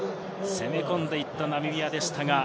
攻め込んでいったナミビアでしたが。